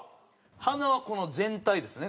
鼻はこの全体ですね。